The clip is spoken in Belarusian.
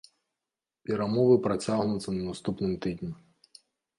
Перамовы працягнуцца на наступным тыдні.